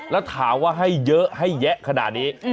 แล้วถามว่าให้เยอะให้แยะขนาดนี้